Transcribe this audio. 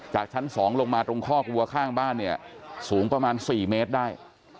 ชั้น๒ลงมาตรงคอกวัวข้างบ้านเนี่ยสูงประมาณ๔เมตรได้